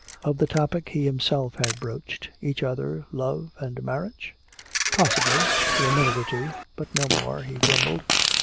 Of the topic he himself had broached each other, love and marriage? "Possibly for a minute or two but no more," he grumbled.